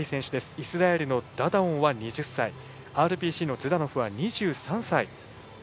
イスラエルのダダオンは２０歳ＲＰＣのズダノフは２３歳。